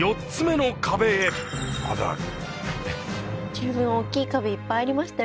「十分大きい壁いっぱいありましたよ